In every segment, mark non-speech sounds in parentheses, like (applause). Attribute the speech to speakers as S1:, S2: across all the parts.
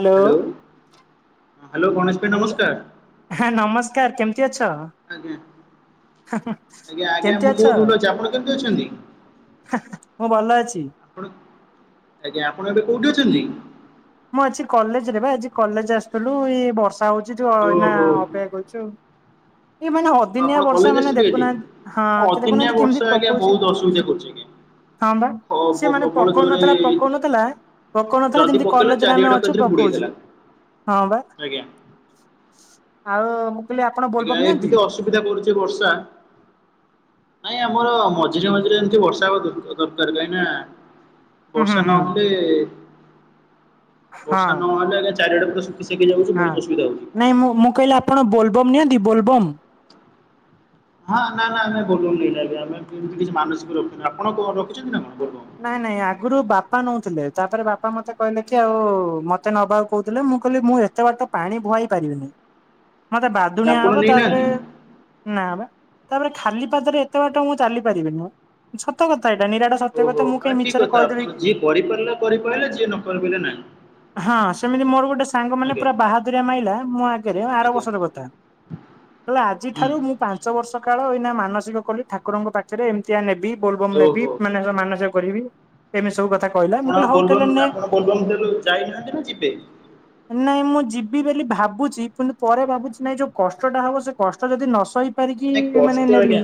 S1: Hello!
S2: Hello Ganesh ଭାଇ
S1: hello,
S2: ନମସ୍କାର
S1: ହଁ ନମସ୍କାର। କେମ୍ ତି ଅଛ?
S2: ଆଜ୍ଞା। ଆଜ୍ଞା, ଆଜ୍ଞା,
S1: କେମିତି
S2: ମୁଁ ବହୁତ ଭଲ ଅଛି। ଆପଣ କେମିତି ଅଛନ୍ତି?
S1: ହା ହା, ମୁଁ ଭଲ ଅଛି।
S2: ଆପଣ ଆଜ୍ଞା, ଆପଣ ଏବେ କୋଉଠି ଅଛନ୍ତି?
S1: ମୁଁ, ଅଛି କଲେଜ ରେ ବା ଆଜି କଲେଜ ଆସିଥିଲୁ। ଇଏ ବର୍ଷ ହଉଛି, ଯୋଉ ଅଇନା
S2: ଓହୋ
S1: ଅପେକ୍ଷା କରୁଛୁ। ଏଇ ମାନେ ଅଦିନିଆ
S2: ଆପଣ
S1: ବର୍ଷା,
S2: କଲେଜ
S1: ମାନେ
S2: ଆସିଛନ୍ତି ଆଜି?
S1: ଦେଖୁନାହାଁନ୍ତି। ହଁ, କି
S2: ଅଦିନିଆ
S1: ଦେଖୁନାହାଁନ୍ତି କିମିତି
S2: ବର୍ଷା ଆଜ୍ଞା
S1: ପକଉଛି।
S2: ବହୁତ ଅସୁବିଧା କରୁଛି ଆଜ୍ଞା
S1: ହଁ, ବା
S2: ବ
S1: ସିଏ ମାନେ
S2: ପ୍ରବଳ
S1: ପକଉ
S2: ଜୋରେ
S1: ନଥିଲା, ପକଉନଥିଲା ପକଉନଥିଲା,
S2: ଯଦି
S1: ଯେମତି
S2: ପକେଇଲା
S1: କଲେଜରେ ଆମେ
S2: ଚାରିଆଡେ
S1: ଅଛୁ
S2: ଏକାଥରେ ବୁଡେଇ
S1: ପକଉଛି
S2: ଦେଲା
S1: ହଁ ବା।
S2: ଆଜ୍ଞା
S1: ଆଉ, ମୁଁ କହିଲି ଆପଣ
S2: ଆଜ୍ଞା,
S1: ବୋଲବମ୍ ନିଅନ୍ତି?
S2: ଏମିତି ଅସୁବିଧା କରୁଛି ବର୍ଷା ନାଇଁ, ଆମର ମଝିରେ ମଝିରେ ଏମିତି ବର୍ଷା ହବା ଦର ଦରକାର କାହିଁ ନା
S1: ହୁଁ ହୁଁ
S2: ବର୍ଷା
S1: ହୁଁ
S2: ନହେଲେ
S1: ହଁ
S2: ବର୍ଷା ନ ହେଲେ ଚାରିଆଟେ ଶୁ
S1: ହଁ ନାଇଁ ମୁଁ ମୁଁ କହିଲି ଆପଣ ବୋଲବମ୍ ନିଅନ୍ତି ବୋଲବମ୍
S2: ହଁ ନା ନା ଆମେ ବୋଲ ବମ ନେଇନୁ ଭଲ ଆମେ (inaudible) କିଛି ମାନସିକ ରଖିନୁ ଆପଣ କଣ ରଖିଛନ୍ତି ନା କଣ? ବୋଲବମ୍
S1: ନାଇଁ ନାଇଁ ଆଗରୁ ବାପା ନଉଥିଲେ ତାପରେ ବାପା ମତେ କହିଲେ କି ଆଉ ମତେ ନବା କୁ କହୁଥିଲେ ମୁଁ କହିଲି ମୁଁ ଏତେ ବାଟ ତ ପାଣି ବୁଆଇ ପାରିବିନି। ମତେ ବାଦୁଣିଆ
S2: ଆପଣ
S1: ହବ ତାପରେ
S2: ନେଇନାହାନ୍ତି
S1: ନା ବା। ତାପରେ ଖାଲି ପାଦରେ ଏତେ ବାଟ ମୁଁ ଚାଲି ପାରିବିନି ସତ କଥା ଏଇଟା ନିରା
S2: ଓହୋ ଆ ଠିକ କଥା ଆପଣ ଯିଏ କରିପାରିଲା କରିପାରିଲା ଯିଏ ନ କରି ପାରିଲେ ନାଇଁ।
S1: ହଁ ସେମିତି ମୋର ଗୋଟେ ସାଙ୍ଗ ମାନେ ପୁରା ବାହାଦୁରୀଆ ମାଇଲା ମୋ ଆଗରେ ଆର
S2: ଆଜ୍ଞା
S1: ବର୍ଷର କଥା ହେଲେ
S2: ହୁଁ
S1: ଆଜିଠାରୁ ମୁଁ ପାଞ୍ଚ ବର୍ଷ କାଳ ମାନସିକ କଲି ଠାକୁରଙ୍କ ପାଖରେ ଏମିତିଆ ନେବି ବୋଲବମ୍ ନେବି
S2: ଓହୋ
S1: ମାନେ ମାନସିକ କରିବି ଏମିତି ସବୁ କଥା କହିଲା ମୁଁ
S2: ଆପଣ
S1: କହିଲି ହଉ ତାହେଲେ
S2: ବୋଲବମ୍
S1: ନେ
S2: ଆପଣ ବୋଲବମ ଯାଇନାହାନ୍ତି ନା ଯିବେ?
S1: ନାଇଁ ମୁଁ ଯିବି ବୋଲି ଭାବୁଛି କିନ୍ତୁ ପରେ ଭାବୁଛି ନାଇଁ ଯୋଉ କଷ୍ଟଟା ହବ ସେ କଷ୍ଟ ଯଦି ନ ସହି ପାରିକି
S2: ନାଇଁ
S1: ମାନେ
S2: କଷ୍ଟ
S1: ନେଲି
S2: ଆଜ୍ଞା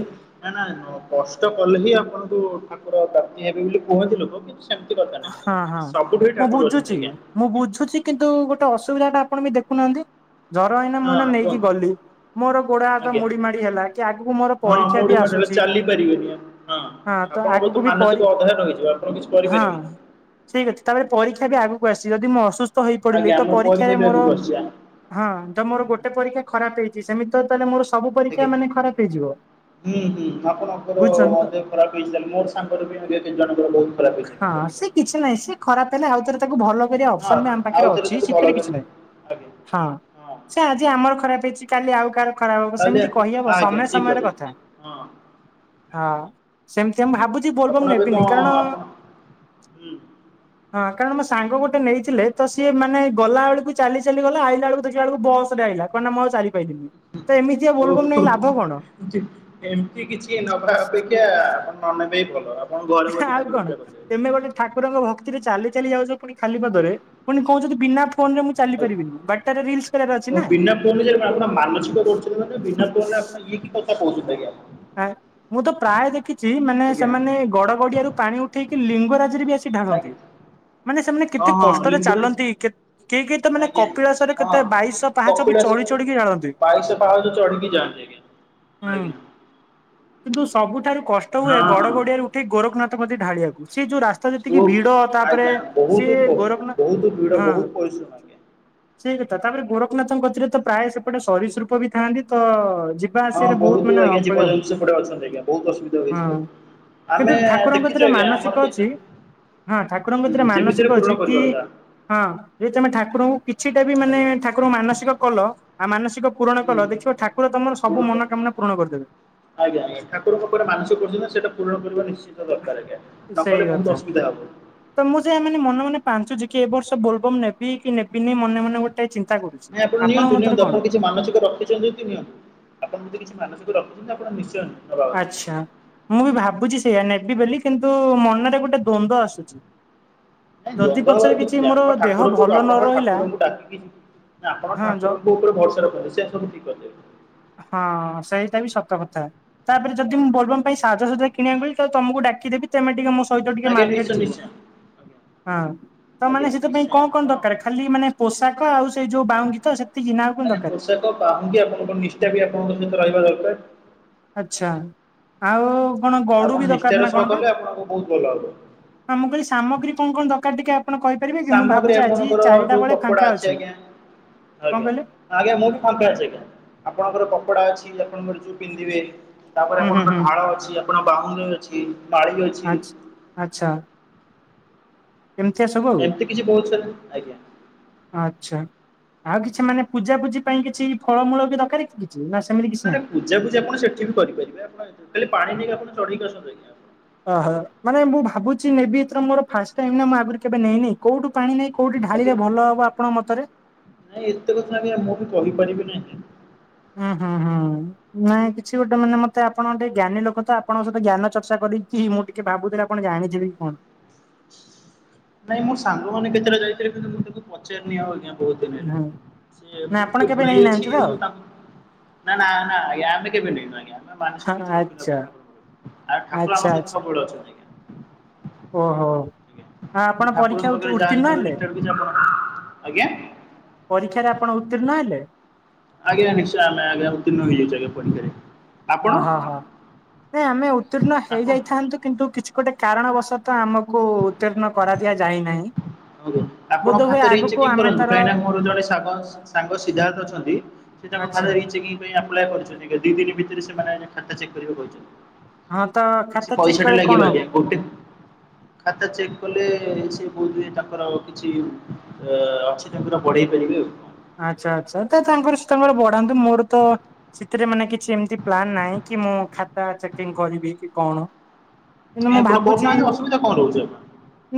S2: ନା ନା କଷ୍ଟ କଲେ ହିଁ ଆପଣଙ୍କୁ ତାଙ୍କର ପ୍ରାର୍ଥୀ ହେବି ବୋଲି କୁହନ୍ତି ଲୋକ କିନ୍ତ
S1: ହଁ ହଁ ମୁଁ
S2: ଅଛନ୍ତି
S1: ବୁଝୁଛି
S2: ଆଜ୍ଞା
S1: ମୁଁ ବୁଝୁଛି କିନ୍ତୁ ଗୋଟେ ଅ ସୁବିଧା ଟା ଆପଣ ବି ଦେଖୁନାହାନ୍ତି। ଝର ହେଇନା
S2: ହଁ
S1: ମୁଁ ନା ନେଇକି
S2: କୁହନ୍ତୁ
S1: ଗଲି ମୋର ଗୋଡ ହାତ
S2: ଆଜ୍ଞା
S1: ମୁଡି ମାଡି ହେଲା କି ଆଗକୁ ମୋର
S2: ହଁ
S1: ପରୀକ୍ଷା
S2: ମୋଡି
S1: ବି ଆସୁଛି
S2: ମାଡିଗଲେ ଚାଲି ପାରିବେନି ହଁ ଆପଣଙ୍କ
S1: ଆଗକୁ
S2: ତ
S1: ବି ପରୀ
S2: ମାନସିକ ଅଧୟନ ହେଇଯିବ ଆପଣ କିଛି
S1: ହଁ।
S2: କରିପାରିବେନି।
S1: ଠିକ ଅଛି ତାପରେ ପରୀକ୍ଷା ବି ଆଗକୁ ଆସିଚି ଯଦି ମୁଁ ଅସୁସ୍ଥ ହେଇ
S2: ଆଜ୍ଞା
S1: ପଡିଲି ତ
S2: ଆମର ପରୀକ୍ଷା
S1: ପରୀକ୍ଷାରେ
S2: ବି
S1: ମୋର
S2: ଆଗକୁ ଆସୁଛି ଆ
S1: ହଁ ତ ମୋର ଗୋଟେ ପରୀକ୍ଷା ଖରାପ ହେଇଛି ସେମି ତ ତାହେଲେ ମୋର ସବୁ
S2: ଆଜ୍ଞା
S1: ପରୀକ୍ଷା ମାନେ ଖରାପ ହେଇଯିବ।
S2: ହୁଁ ହୁଁ ଆପଣଙ୍କର
S1: ବୁଝୁଛନ୍ତି
S2: ଅ
S1: ତ?
S2: ଦେହ ଖରାପ ହେଇ ମୋର ସାଙ୍ଗରେ ବି ଜଣଙ୍କର ବହୁତ ଖରାପ
S1: ହଁ
S2: ହେଇସାରିଲାଣି
S1: ସେ
S2: ପରୀକ୍ଷା
S1: କିଛି ନାହିଁ ସେ ଖରାପ ହେଲେ ଆଉଥରେ ତାକୁ ଭଲ
S2: ହଁ
S1: ଅପ୍ସନ୍ ବି ଆମ ପାଖରେ
S2: ଆଉ ଥରେ
S1: ଅଛି
S2: ତାକୁ ଭଲ
S1: ଶୀତରେ କିଛି
S2: କରନ୍ତୁ
S1: ନାହିଁ
S2: ଆଜ୍ଞା
S1: ହଁ ସେ ଆଜି ଆମର ଖରାପ କାଲି ଆଉ କାହାର ଖରାପ ହବ
S2: ତାହେଲେ
S1: ସେମିତି କହିହବ
S2: ଆଜ୍ଞା
S1: ସମୟ
S2: ଠିକ୍
S1: ସମୟର କଥା
S2: ହଁ
S1: ହଁ।
S2: ଆଜ୍ଞା
S1: ସେମିତି ଭାବୁଛି ବୋଲବ
S2: ଆପଣ ଏବେ
S1: ନେବିନି
S2: କଣ
S1: କାରଣ
S2: ଆପଣ ହୁଁ।
S1: ହଁ କାରଣ ମୋ ସାଙ୍ଗ ଗୋଟେ ନେଇଥିଲେ ତ ସିଏ ମାନେ ଗଲା ବେଳକୁ ଚାଲି ଚାଲି ଗଲା ଆଇଲା ବେଳକୁ ଦେଖିଲ ବେଳକୁ ବସ ରେ ଆଇଲେ। କଣ ନାଁ ଆଉ ଚାଲି ପାଇଥିଲିନି ତ ଏମିତିଆ ବୋଲବମ
S2: ଓହୋ
S1: ନାଇକି ଲାଭ କଣ।
S2: ଏମିତି କିଛି ନବା ଅପେକ୍ଷା ଆପଣ ନ ନେବେ ଭଲ। ଆପଣ ଘରେ ବସି
S1: ଆଉ
S2: ଠାକୁର
S1: କଣ
S2: ପୂଜା କରିଦେବେ।
S1: ତମେ ଗୋଟେ ଠାକୁରଙ୍କ ଭକ୍ତିରେ ଚାଲି ଚାଲି ଯାଉଛ ପୁଣି ଖାଲି
S2: ଆଜ୍ଞା
S1: ପଦରେ ପୁଣି କହୁଛନ୍ତି ବିନା ଫୋନରେ ମୁଁ ଚାଲି
S2: ଆଜ୍ଞା
S1: ପାରିବିନି ବାଟ ର ରିଲ୍ସି କରିବାର ଅଛି
S2: ମୁଁ
S1: ନା।
S2: ବିନା ଫୋନରେ ଆପଣ ମାନସିକ କରୁଛନ୍ତି ମାନେ ବିନା ଫୋନ୍ ରେ ଆପଣ ଇଏ କି କଥା କହୁଛନ୍ତି। ଆଜ୍ଞା
S1: ମୁଁ ତ ପ୍ରାୟ ଦେଖିଛି ମାନେ
S2: ଆଜ୍ଞା
S1: ସେମାନେ ଗଡ ଗଡିଆରୁ ପାଣି ଉଠେଇକି ଲିଙ୍ଗରାଜ ସେଥିରେ ବି ଆସି ଢାଳନ୍ତି।
S2: ଆଜ୍ଞା।
S1: ମାନେ ସେମାନେ
S2: ହଁ
S1: କେତେ
S2: ହଁ
S1: କଷ୍ଟରେ
S2: ଲିଙ୍ଗରାଜ
S1: ଚାଲନ୍ତି କେତେ କେହି କେହି ତ ମାନେ
S2: ଆଜ୍ଞା
S1: କପିଳାସରେ
S2: ହଁ
S1: କେତେ ବାଇଶହ ପାହଚ ବି
S2: କପିଳାସ
S1: ଚଢି ଚଢିକି ଢାଳନ୍ତି।
S2: ବାଇଶ ପାହାରୁ ଚଢିକି ଯାଆନ୍ତି
S1: ହୁଁ
S2: ଆଜ୍ଞା।
S1: କିନ୍ତୁ ସବୁଠାରୁ କଷ୍ଟ ହୁଏ
S2: ହଁ
S1: ଗଡ
S2: ହଁ
S1: ଗଡିଆରେ ଉଠେଇ ଗୋରଖନାଥ ମ ମଧ୍ୟ ଢାଳିଆକୁ। ସେ ଯୋଉ ରାସ୍ତା ଯେତିକି
S2: ଓ
S1: ଭିଡ ତାପରେ
S2: ଆଜ୍ଞା
S1: ସେ
S2: ବହୁତ
S1: ଗୋରଖନାଥ
S2: ବହୁତ ଭିଡ
S1: ହଁ।
S2: ବହୁତ ପରିଶ୍ରମ ଆଜ୍ଞା।
S1: ସେଇ କଥା। ତ ତାପରେ ଗୋରଖନାଥଙ୍କତିରେ ତ ପ୍ରାୟ ସେପଟେ ସରୀ ସୃପ ବି ଥାଆନ୍ତି ତ ଯିବା ଆସିବାରେ ବହୁତ ମାନେ ଅକଳିଆ ହୁଏ।
S2: ସେଟେ ଅଛନ୍ତି ଆଜ୍ା ବହୁ ଅସୁବିଧା
S1: ହଁ
S2: ହେଇଛିିବ (unintelligible)
S1: କିନ୍ତୁ ଠାକୁରଙ୍କ ତିରେ ମାନସିକ ଅଛି। ହଁ ଠାକୁରଙ୍କ ଭିତରେ
S2: ଯେମିତିରେ
S1: ମାନସିକ
S2: ପୂରଣ
S1: ଅଛି କି
S2: କରିବା କଥା।
S1: ହଁ ଯି ତମେ ଠାକୁରଙ୍କୁ କିଛିଟା ବି ମାନେ
S2: ଆଜ୍ଞା
S1: ଠାକୁରଙ୍କୁ ମାନସିକ କଲ ଆ ମାନସିକ ପୂରଣ
S2: ହୁଁ
S1: କଲ ଦେଖିବ ଠାକୁର ତମର
S2: ପୂରଣ
S1: ସବୁ ମନକାମନା ପୂରଣ କରିଦେବେ।
S2: ଆଜ୍ଞା ଆଜ୍ଞା। ଠାକୁରଙ୍କୁ ପରା ମାନସିକ କରିଛନ୍ତି ନା ସେଟା ପୂରଣ କରିବା ନିଶ୍ଚ
S1: ସେଇ କଥା।
S2: ହବ।
S1: ତ ମୁଁ ସେୟା ମାନେ ମନେ ମନେ ପାଞ୍ଚୁଚି କି ଏ ବର୍ଷ ବୋଲବମ୍ ନେବି କି ନେବିନି, ମନେ ମନେ ଗୋଟେ ଚିନ୍
S2: ନାଇଁ ଆପଣ ନିଅନ୍ତୁ ନିଅନ୍ତୁ। ଆପଣ କିଛି ମାନସିକ ରଖିଛନ୍ତି ଯଦି ନିଅନ୍ତୁ। ଆପଣ ବୋଧେ କିଛି ମାନସିକ ରଖି ଚନ୍ତି ଆପଣ ନିଶ୍ଚୟ ନବା କଥା।
S1: ଆଚ୍ଛା। ମୁଁ ବି ଭାବୁଛି ସେୟା, ନେ ବି ବେଲି କିନ୍ତୁ ମନରେ ଗୋଟେ ଦ୍ଵନ୍ଦ ଆସୁଛି।
S2: ନାଇଁ
S1: ଯଦି
S2: ଦ୍ୱନ୍ଦ
S1: ପଛରେ
S2: ହବାର କିଛି ନାହିଁ।
S1: ମୋର
S2: ଆପଣ
S1: ଦେହ
S2: ଠାକୁରଙ୍କୁ
S1: ଭଲ ନ
S2: ଆପଣଙ୍କ
S1: ରହିଲା
S2: ଠାକୁରଙ୍କୁ ଡାକିକି ନା ଆପଣ
S1: ହଁ ଜ
S2: ଠାକୁରଙ୍କ ଉପରେ ଭରସା ରଖନ୍ତୁ, ସେ ସବୁ ଠିକ କରିଦେବେ।
S1: ହଁ ସେଇଟା ବି ସବ ସତକଥା। ତାପରେ ଯଦି ମୁଁ ବୋଲବମ୍ ପାଇଁ ସାଜସଜ୍ଜା କିଣିବାକୁ ଗଲି, ତ ତମକୁ ଡାକିଦେବି ତେମେ ଟିକେ ମୋ ସହ ସହିତ ଟିକେ
S2: ଆଜ୍ଞା
S1: ମାର୍କେଟ
S2: ନିଶ୍ଚୟ
S1: ଯିବ।
S2: ନିଶ୍ଚୟ। ଆଜ୍ଞା।
S1: ହଁ। ତ ମାନେ
S2: ଆଜ୍ଞା
S1: ସେ ଯୋଉ ପାଇଁ
S2: ନିଶ୍ଚୟ
S1: କଣ କଣ
S2: ଆପଣ
S1: ଦରକାର? ଖାଲି ମାନେ ପୋଷାକ, ଆଉ ସେଇ ଯୋଉ ବାଉଙ୍ଗି ତ, ସେତିକି ନା ଆଉ କଣ
S2: ଆଜ୍ଞା,
S1: ଦରକାର?
S2: ପୋଷାକ, ବାହୁଙ୍ଗି, ଆପଣଙ୍କର ନିଷ୍ଠା ବି ଆପଣଙ୍କ ସହିତ ରହିବା ଦରକାର।
S1: ଆଚ୍ଛା। ଆଉ କଣ ଗଡୁ
S2: ଆପଣ
S1: ବି ଦରକାର
S2: ନିଷ୍ଠାର
S1: ନା
S2: ସହ
S1: କଣ ବା?
S2: କଲେ ଆପଣଙ୍କୁ ବହୁତ ଭଲ ହବ।
S1: ଆ ମୁଁ କହିଲି ସାମଗ୍ରୀ କଣ କଣ ଦରକାର ଟିକେ ଆପ ଆପଣ କହିପାରିବେ କି? ମୁଁ
S2: ସାମଗ୍ରୀ
S1: ଭାବୁଛି ଆଜି
S2: ଆପଣଙ୍କର
S1: ଚାରିଟା
S2: ଯୋଉ
S1: ବେଳେ
S2: କପଡା
S1: ଫାଙ୍କା ଅଛି।
S2: ଆଜ୍ଞା
S1: କଣ
S2: ଆଜ୍ଞା।
S1: କହିଲେ
S2: ଆଜ୍ଞା, ମୁଁ ବି ଫାଙ୍କା ଅଛି ଆଜ୍ଞା। ଆପଣଙ୍କର କପଡ଼ା ଅଛି ଆପଣଙ୍କ ମର୍ଜି ପିନ୍ଧିବେ। ତାପରେ
S1: ହୁଁ ହୁଁ ହୁଁ
S2: ଆପଣଙ୍କର ଢାଳ ଅଛି, ଆପଣଙ୍କ ବାଉଙ୍ଗି ଅଛି, ନାଳି ବି ଅଛି
S1: ଆଚ୍ଛା। ଆଚ୍ଛା। ଏମିତିଆ ସବୁ ଆଉ,
S2: ଏମିତି କିଛି ବହୁତ ସାରା ଆଜ୍ଞା।
S1: ଆଚ୍ଛା। ଆଉ କିଛି ମାନେ ପୂଜା ପୂଜି ପାଇଁ କିଛି ଫଳମୂଳ ବି ଦରକାରେ କି? କିଛି ନା ସେମିତି କିଛି
S2: ନହେଲେ
S1: ନାହିଁ?
S2: ପୂଜାପୁଜି ଆପଣ ସେଠି ବି କରିପାରିବେ। ଆପଣ ଖାଲି ପାଣି ନେଇକି ଆପଣ ଚଢେଇକି ଆସନ୍ତୁ ଆଜ୍ଞା। ଆଗ
S1: ଓହୋ। ମାନେ ମୁଁ ଭାବୁଛି ନେବି ଏଥର ମୋର ଫାଷ୍ଟ ଟାଇମ୍ ନା, ମୁଁ ଆଗରୁ କେବେ ନେଇନି। କୋଉଠୁ ପାଣି ନେଇ କୋଉଠି
S2: ଆଜ୍ଞା ଆଜ୍ଞା।
S1: ଢାଳିଲେ ଭଲ ହବ ଆପଣଙ୍କ ମତରେ?
S2: ନାଇଁ ଏତେ କଥା ଆଜ୍ଞା ମୁଁ ବି କହିପାରିବି ନାହିଁ।
S1: ଉଁ ହୁଁ ହୁଁ। ନାଇଁ କିଛି ଗୋଟେ ମାନେ ମତେ ଆପଣ ଗୋଟେ ଜ୍ଞାନୀ ଲୋକ ତ, ଆପଣଙ୍କ ସହିତ ଜ୍ଞାନ ଚର୍ଚ୍ଚା କରି ରିକି, ମୁଁ ଟିକେ ଭାବୁଥିଲି ଆପଣ ଜାଣିଯିବେ କି କଣ?
S2: ନାଇଁ ମୋ ସାଙ୍ଗମାନେ କେତେଟା ଯାଇଥିଲେ, କିନ୍ତୁ ମୁଁ ତାକୁ ପଚାରିନି ଆଉ ଆଜ୍ଞା। ବହୁତ ଦିନ
S1: ହୁଁ।
S2: ହେଲାଣି। ସିଏ
S1: ନା
S2: ମୁଁ
S1: ଆପଣ
S2: ଟିକେ
S1: କେବେ
S2: ବୁଲି ଆଇଛି,
S1: ନେଇନାହାନ୍ତି ତ ହଁ
S2: ମୁଁ ତାଙ୍କୁ ନା ନା ଆ ଆମେ କେବେ ନେଇନୁ ଆଜ୍ଞା। ଆମେ ମାନସିକ କିଛି ରଖିନୁ ଏବେ
S1: ଆଚ୍ଛା
S2: ଠାକୁରଙ୍କ ପାଖରେ। ଆଉ ଠାକୁର ଆମ
S1: ଆଚ୍ଛା
S2: ସହିତ
S1: ଆଚ୍ଛା
S2: ସବୁବେଳେ ଅଛନ୍ତି ଆଜ୍ଞା।
S1: ଓହୋ। ହଁ ଆପଣ
S2: ମୁଁ
S1: ପରୀକ୍ଷା
S2: ଠାକୁରଙ୍କ
S1: ଉତ୍
S2: ପାଖରେ ଯାହା
S1: ଉତ୍ତୀର୍ଣ୍ଣ
S2: ଯେତେବେଳେ
S1: ହେଲେ
S2: ନିଷ୍ଠା ରଖୁଚି ଆପଣ ଆଜ୍ଞା?
S1: ପରୀକ୍ଷାରେ ଆପଣ ଉତ୍ତୀର୍ଣ୍ଣ ହେଲେ?
S2: ଆଜ୍ଞା ନିଶ୍ଚୟ ଆମେ ଆଜ୍ଞା ଉତ୍ତୀର୍ଣ୍ଣ ହେଇଯାଇଚୁ ଆଜ୍ଞା ପରୀକ୍ଷାରେ। ଆପଣ
S1: ଅହ ହ। ନାଇଁ ଆମେ ଉତ୍ତୀର୍ଣ୍ଣ
S2: ଆପଣ
S1: ହେଇଯାଇଥାନ୍ତୁ କିନ୍ତୁ କିଛି ଗୋଟେ କାରଣବଶତଃ ଆମକୁ ଉତ୍ତୀର୍ଣ୍ଣ କରା ଦିଆ ଯାଇନାହିଁ।
S2: ହଁ କୁ,
S1: ବୋଧ
S2: ଆପଣଙ୍କ
S1: ହୁଏ
S2: ଖାତା
S1: ଆଗକୁ
S2: ରିଚେକିଂ
S1: ଆମେ
S2: କରାନ୍ତୁ
S1: ତାର
S2: କାହିଁକିନା ମୋର ଜଣେ ସାଗ ସାଙ୍ଗ ସିଦ୍ଧାର୍ଥ ଅଛନ୍ତି ସେ ତାଙ୍କ
S1: ଆଚ୍ଛା
S2: ଖାତା ରିଚେକିଂ ପାଇଁ ଆପ୍ଲାଏ କରିଛନ୍ତି। ଦି ଦିନ ଭିତରେ ସେମାନେ ଖାତା ଚେକ୍ କହିଛନ୍ତି।
S1: ହଁ ତ
S2: କିଛି
S1: ଖାତା ଚେକ୍
S2: ପଇସାଟେ
S1: କଲେ କଣ
S2: ଲାଗିବ
S1: ହବ?
S2: ଆଜ୍ଞା। ଗୋଟେ ଖାତା ଚେକ କଲେ ସେ ବୋଧ ହୁଏ ତାଙ୍କ ତାଙ୍କର କିଛି ଅ ଅଛି ତାଙ୍କର ବଢେଇ ପାରିବେ ଆଉ।
S1: ଆଚ୍ଛା ଆଚ୍ଛା। ତ ତାଙ୍କର ସେ ତାଙ୍କର ବଢ଼େ ତାହେନେ ତ ମୋର ତ ସେଥିରେ ମାନେ କିଛି ଏମତି ପ୍ଲାନ୍ ନାହିଁ କି, ମୁଁ ଖାତା ଚେକ୍ କିଂ କରିବି କି କଣ? କିନ୍ତୁ
S2: କାଇଁ
S1: ମୁଁ
S2: ଆପଣ
S1: ଭାବୁଛି,
S2: କରୁନାହାନ୍ତି ଅସୁବିଧା କଣ ରହୁଛି ଆପଣ?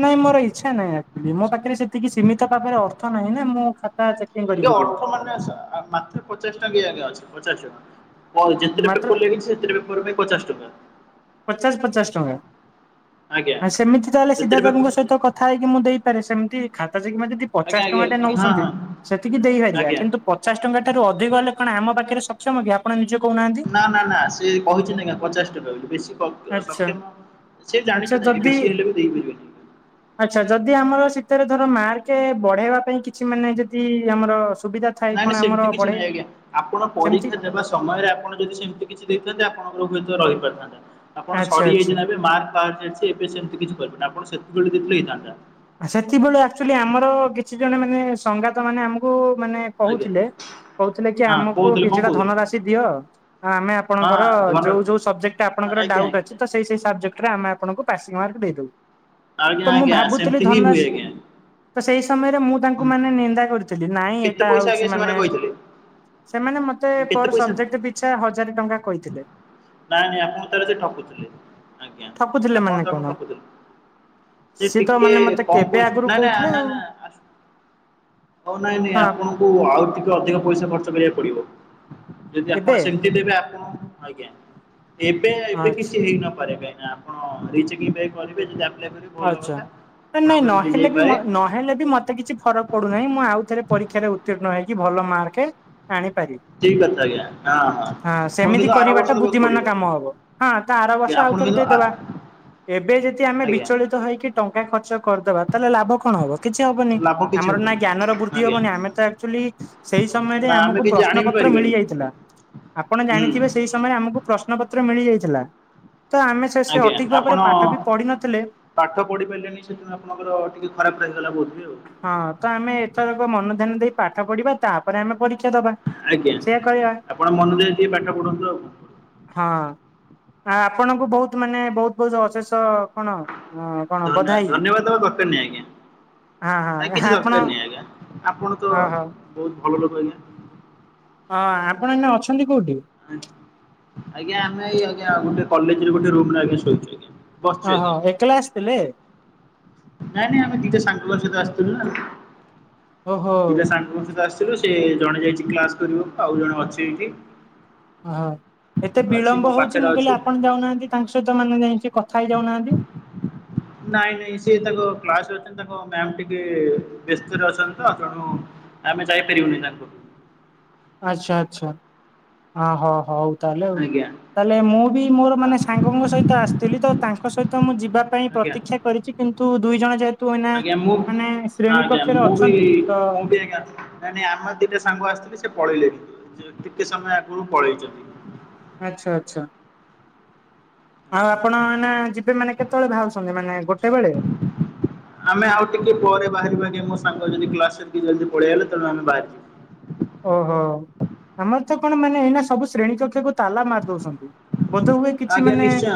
S1: ନାଇଁ ମୋର ଇଚ୍ଛା ନାହିଁ ଆକ୍ କଚୁଆଲି। ମୋ ପାଖରେ ସେତିକି ସୀମିତ ଭାବରେ ଅର୍ଥ ନାହିଁ ନା ମୁଁ ଖାତା ଚେକି
S2: ଟିକେ ଅର୍ଥ ମାନେ ଆ ମାତ୍ର ପଚାଶ ଟଙ୍କା ଯାକେ ଅଛି, ପଚାଶ ଟଙ୍କା। ହଁ ଯେତେଟା
S1: ମାତ୍ର
S2: ପେପର ହେଲେବି ସେତେଟି ପେପର ପାଇଁ ପଚାଶ ଟଙ୍କା।
S1: ପଚାଶ ପଚାଶ ଟଙ୍କା
S2: ଆଜ୍ଞା।
S1: । ସେମିତି ତାହେଲେ
S2: ଯେତେଟା
S1: ସିଦ୍ଧାର୍ଥ
S2: ପେପର
S1: ବାବୁଙ୍କ ସହିତ କଥା ହେଇକି ମୁଁ ଦେଇପାରେ ସେମ । ଯଦି
S2: ଆଜ୍ଞା
S1: ପଚାଶ ଟଙ୍କା
S2: ଆଜ୍ଞା
S1: ଟା
S2: ହଁ
S1: ନେଉଛନ୍ତି
S2: ହଁ
S1: ସେତିକି ଦେଇପାରିବା
S2: ଆଜ୍ଞା।
S1: କିନ୍ତୁ ପଚାଶ ଟଙ୍କା ଟାରୁ ଅଧିକ ହେଲେ କଣ ଆମ ପାଖରେ ସକ୍ଷମ କି ଆପଣ ନିଜ
S2: ନା ନା ନା ସେ କହିଛନ୍ତି ଆଜ୍ଞା ପଚାଶ ଟଙ୍କା ବୋଲି ବେ
S1: ଆଚ୍ଛା
S2: ସକ୍ଷମ ସେ ଜାଣିଛନ୍ତି ବେଶୀ ହେଲେ ବି ଦେଇପାରିବେନି ।
S1: ଆଛା ଯଦି ଆମର ଶୀତରେ ଧର ମାର୍କ ବଢେଇବା ପାଇଁ କିଛି ମାନେ ଯଦି ଆମର ସୁବିଧା ଥାଏ
S2: ନାଇଁ
S1: କଣ
S2: ନାଇଁ ସେମିତି
S1: ଆମର
S2: କିଛି
S1: ବଢେଇ
S2: ନାଇଁ ଆଜ୍ଞା ଆପଣ
S1: ସେମିତି
S2: ପରୀକ୍ଷା ଦେବା ସମୟରେ ଆପଣ ଯଦି ସେମିତି କିଛି ଦେଇଥାନ୍ତେ ଆପଣଙ୍କର ହୁଏ ରହିପାରିଥାନ୍ତା ଆପଣ
S1: ଆଚ୍ଛା ଆଚ୍ଛା।
S2: ସଡିଯାଇଚିନା ଏବେ ମାର୍କ ସେମିତି କିଛି କରିବେନ ଆପଣ (unintelligible)
S1: ସେତବେଳେ ଆକ୍ଚୁଆଲି ଆମର କିଛି ଜଣେ ମାନେ ସଙ୍ଗାତ ମାନେ ଆମକୁ ମାନେ
S2: ଆଜ୍ଞା
S1: କହୁଥିଲେ । କହୁଥିଲେ କି
S2: ହଁ
S1: ଆମକୁ
S2: କହୁଥିଲେ କଣ
S1: କିଛିଟା
S2: କହୁଥିଲେ
S1: ଧନ ରାଶି ଦିଅ ଆମେ
S2: ହଁ
S1: ଆପଣଙ୍କର
S2: ଧନ
S1: ଯୋଉ ଯୋଉ ସବଜେକ୍ଟଟା ଆପଙ୍କର
S2: ଆଜ୍ଞା।
S1: ଡାଉଟ ଅଛିତ ସେଇ ସେଇ ସବଜେକ୍ଟରେ ଆମେ ଆପଣଙ୍କୁ ପାସିଂ ମାର୍କ ଦେଇଦବୁ ।
S2: ଆଜ୍ଞା ଆଜ୍ଞ ସେମ
S1: ଧନସି ତ ସେଇ ସମୟରେ ମୁଁ ତାଙ୍କୁ ମାନେ ନିନ୍ଦା କରିଥିଲି ନାଇଁ
S2: କେତେ
S1: ଏଇଟା
S2: ପଇସା ଆଜ୍ଞା
S1: ହଉଛି
S2: ସେମାନେ
S1: ମାନେ
S2: କହିଥିଲେ
S1: ସେମାନେ ମତେ
S2: କେତେ
S1: ମତେପର୍
S2: ପଇସା
S1: ସବଜେକ୍ଟ ପିଛା ହଜାର ଟଙ୍କା କହିଥିଲେ ।
S2: ନାଇଁ ନାଇଁ ଆପଣ ତାର ସେ ଠକୁଥିଲେ ।
S1: ଠକୁଥିଲେ ମାନେ କଣ?
S2: ସେ
S1: ସିଏ ତ
S2: ଟିକେ
S1: ମାନେ ମତେ
S2: କମ୍
S1: କେବେ
S2: ପଇଶା
S1: ଆଗରୁ
S2: ନା ନା
S1: କହୁଥିଲେ
S2: ନା
S1: ଆଉ
S2: ନା ଆସ ହଉ ନାଇଁ ନାଇଁ
S1: ହଁ
S2: ଆପଣଙ୍କୁ ଆଉ ଟିକେ ଅଧିକ ପଇସା ଖର୍ଚ୍ଚ କରିବାକୁ ପଡିବ । ଯଦି
S1: ଏବେ
S2: ଆପଣ ସେମିତି ଦେବେ ଆପଣ ଆଜ୍ଞା । ଏବେ ଏବେ
S1: ହଁ
S2: କିଛି ହେଇନପାରେ କାହିଁକିନା ଆପଣ ରିଚେକିଁ କରିବେ ଯଦି ଆପ୍ଲାଏ କରିବେ ଭଲ
S1: ଆଛା
S2: କଥା।
S1: ନାଇଁ
S2: ଆପଣଙ୍କର
S1: ନହେଲେ ବି
S2: ମିଳିଯାଇପାରେ
S1: ନହଲେ ବି ମତେ କିଛି ଫରକ ପଡୁନାହିଁ ମୁଁ ଆଉଥରେ ପରୀ ପରୀଷାରେ ଉତ୍ତୀର୍ଣ୍ଣ ହେଇକି ଭଲ ମାର୍କ ଆଣିପାରିବି
S2: ଠିକ୍ କଥା ଆଜ୍ଞା ହଁ
S1: । ହଁ
S2: ଆପଣ
S1: ସେମିତି
S2: କିନ୍ତୁ ଆର ବର୍ଷ
S1: କରିବାଟା
S2: ଦେବାକୁ ପଡିବ।
S1: ବୁଦ୍ଧିମାନ
S2: ଆପଣ।
S1: କାମ ହବ ହଁ ତ ଆର
S2: ଆଜ୍ଞା
S1: ବର୍ଷ
S2: ଆପଣ
S1: ଆଉଥରେ
S2: କିନ୍ତୁ ଆ
S1: ଦେଇଦେବା ଏବେ ଯଦି ଆମେ
S2: ଆଜ୍ଞା
S1: ବିଚଳିତ ହେଇକି ଟଙ୍କା ଖର୍ଚ୍ଚ କରିଦବା ତାହେଲେ ଲାଭ କଣ ହବ କିଛି ହବନି
S2: ଲାଭ କିଛି
S1: ଆମର ନା
S2: ହବନି
S1: ଜ୍ଞାନର ବୃଦ୍ଧି
S2: ଆଜ୍ଞା
S1: ହବନି ଆମେ ଏକ୍ଟୁଆଲୀ ସେଇ ସେ ସମୟରେ
S2: ନା ଆମେ
S1: ଆମକୁ
S2: କିଛି
S1: ପ୍ରଶ୍ନ
S2: ଜାଣିବି
S1: ପତ୍ର
S2: ପାରିବାନି
S1: ମିଳିଯାଇଥିଲା ଆପଣ
S2: ହୁଁ।
S1: ଜାଣିଥିବେ ସେଇ ସମୟରେ ଆମକୁ ପ୍ର ପ୍ରଶ୍ଣପତ୍ର ମିଳିଯାଇଥିଲା ତ ଆମେ ସେ ସେ
S2: ଆଜ୍ଞା
S1: ଅଠିକ
S2: ଆପଣ
S1: ଭାବରେ ପାଠ ବି ପଢିିନଥିଲେ
S2: ପାଠ ପଢି ପାରିଲେନି ସେଥିପାଇଁ ଆପଣଙ୍କର ଟିକେ ଖରାପ ରହିଗଲା ବୋଧେ ଆଉ
S1: ହଁ ତ ଆମେ
S2: ।
S1: ଏଥରକ ମନ ଧ୍ୟାନ ଦେଇ ପାଠ ପଢିବା ତାପରେ ଆମେ ପଢ଼ି ପରୀକ୍ଷା ଦେବା
S2: ଆଜ୍ଞା
S1: ସେଇୟା କରିବା
S2: ଆପଣ ମନ ଦେଇ ଟିକେ ପାଠ ପଢ଼ନ୍ତୁ ଆଉ।
S1: ।ହଁ ଆ ଆପଣଙ୍କୁ ବହୁତ ମାନେ ବହୁତ ବହୁତ ଅଶେଷ କଣ? ହଁ କଣ
S2: ଧନ୍ୟବାଦ
S1: ବଧାଇ
S2: ଧନ୍ୟବାଦ ଦେବା ଦରକାର ନାହିଁ ଆଜ୍ଞା ।
S1: ହଁ
S2: ନାଇ
S1: ହଁ
S2: କିଛି
S1: ଆପଣ
S2: ଦରକାର ନାହିଁ ଆଜ୍ଞା ଆପଣ ତ
S1: ଓହୋ
S2: ବହୁତ ଭଲ ଲୋକ ଆଜ୍ଞା ।
S1: ହଁ ଆପଣ ଏଇନା ଅଛନ୍ତି ।
S2: ଆଜ୍ଞା ଆମେ ଆଜ୍ଞା ଗୋଟେ କଲେଜରେ ଗୋଟେ ରୁମ୍ ରେ ଆଜ୍ଞା ଶୋଇଛୁ ଆଜ୍ଞା। ବସିଛୁ
S1: ଓହୋ
S2: ଆଜ୍ଞା।
S1: ଏକେଲା ଆସିଥିଲେ?
S2: ନାଇଁ ନାଇଁ ଆମେ ଦିଟା ସାଙ୍ଗ ସହିତ ଆସିୁଥିଲୁ ନା
S1: ଓହୋ
S2: ଦିଟା ସାଙ୍ଗଙ୍କ ସହିତ ଆସ ସେ ଜଣେ ଯାଇଛି କ୍ଲାସ କରିବାକୁ ଆଉ ଜଣେ ଅଛି ଏଠି ।
S1: ଓହ ଏତେ ବିଳମ୍ବ ହଉଛି
S2: ପାଖରେ
S1: ମୁଁ କହିଲି
S2: ଅଛି।
S1: ଆପଣ ଯାଉନାହାନ୍ତି ତାଙ୍କ ସହିତ ମାନେ ଯାଇକି କଥା ହେଇ ଯାଉନାହାନ୍ତି।
S2: ନାଇଁ ନାଇଁ ସେ ତାଙ୍କ କ୍ଲାସ ରେ ଅଛି ତାଙ୍କ ମ୍ୟାମ୍ ଟିକେ ବ୍ୟସ୍ତରେ ଅଛନ୍ତି ତ ତେଣୁ ଆମେ ଯାଇପାରିବୁନି ତାଙ୍କୁ । (unintelligible)
S1: ଆଚ୍ଛା ଆଚ୍ଛା ହଁ ହଁ ହ ହଉ ତାହେଲେ ଆଉ
S2: ପାଖକୁ
S1: ।
S2: ଆଜ୍ଞା
S1: ତାହେଲେ ମୁଁ ବି ମୋର ମାନେ
S2: ହଁ
S1: ସାଙ୍ଗଙ୍କ ସହିତ ଆସିଥିଲି ତ ତାଙ୍କ ସହିତ ମୁଁ ଯିବା ପାଇଁ
S2: ଆଜ୍ଞା
S1: ପ୍ରତୀକ୍ଷା କରିଛି । କିନ୍ତୁ ଦୁଇ ଜଣ ଯେହେ
S2: ଆଜ୍ଞା ମୁଁ ଆଜ୍ଞା ମୁଁ ବି
S1: ଅଛନ୍ତି ତ
S2: ମୁଁ ବି ଆଜ୍ଞା ନା ନାଇ ଆମର ଦିଟା ସାଙ୍ଗ ଆସିଥିଲି । ସେ ପଳେଇଲେଣି, ସେ କେତେ ସମୟ ଆଗରୁ ପଳେଇଛନ୍ତି।
S1: ଆଚ୍ଛା-ଆଚ୍ଛା। ଆଉ ଆପଣ ଏଇନା ଯିବେ ମାନେ କେତେବେଳେ ବାହାରୁଛନ୍ତି ମାନେ ଗୋଟେ ବେଳେ?
S2: ଆମେ ଆଉ ଟିକେ ପରେ ବାହାରିବା। ଆଜ୍ଞା ମୋ ସାଙ୍ଗ ହେଇକି ଯଦି କ୍ଲାସ କରିକିି ପଳେଇ ଆଇଲେ ତେଣୁ ଆମେ ବାହାରିିଯିବୁ।
S1: ଓହୋଃ ଆମର ତ କଣ ମାନେ ଏଇନା ସବୁ ଶ୍ରେଣୀ କକ୍ଷକୁ ତାଲା ମାରି ଦଉଛନ୍ତି। ବୋଧ ହୁଏ କିଛି
S2: ଆଜ୍ଞା
S1: ମାନେ
S2: ନିଶ୍ଚୟ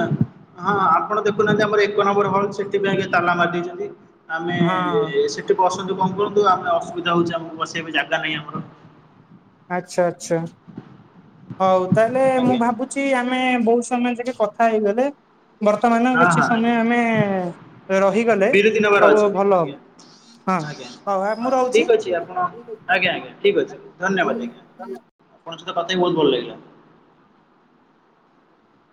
S2: ହଁ ଆପଣ ଦେଖୁନାହାନ୍ତି ଆମର ଏଇ ଏକ ନମ୍ବର ହଲ୍ ସେଥିପାଇଁକି ତାଲା ମାରିଦେଇଛନ୍ତି। ଆମେ
S1: ହଁ
S2: ସେଠି ବସନ୍ତୁ କଣ କରନ୍ତୁ ଆମେ ଅସୁବିଧା (inaudible) ହେଉଛି ଆମକୁ ବସିବା ପାଇଁ ଜାଗା ନାହିଁ ଆମର।
S1: ଆଚ୍ଛା-ଆଚ୍ଛା ହଉ ତାହେଲେ ମୁଁ
S2: ଆଜ୍ଞା
S1: ଭାବୁଛି ଆମେ ବହୁତ୍ ତମେ ଯେଗେ କଥା ହେଇଗଲେ ବର୍ତ୍ତମାନ
S2: ହଁ
S1: କିଛି
S2: ହଁ
S1: ସମୟ
S2: ଆଜ୍ଞା
S1: ଆମେ ରହିଗଲେ
S2: ବିରତି ନେବାର
S1: ସବୁ
S2: ଅଛି
S1: ଭଲ
S2: ଆଜ୍ଞା
S1: ହବ। ହଁ
S2: ଆଜ୍ଞା।
S1: ହଉ (inaudible) ମୁଁ ରହୁଛି।
S2: ଠିକ୍ ଅଛି ଆପଣ ଆଜ୍ଞା ଆଜ୍ଞା ଠିକ୍ ଅଛି ଧନ୍ୟବାଦ ଆଜ୍ଞା।
S1: ହ
S2: (unintelligible) ବହୁତ ଭଲ ଲାଗିଲା।